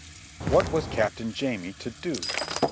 What was Captain Jamie to do?